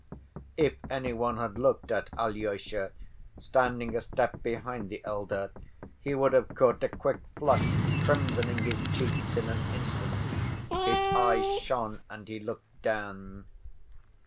If any one had looked at Alyosha standing a step behind the elder, he would have caught a quick flush crimsoning his cheeks in an instant. His eyes shone and he looked down.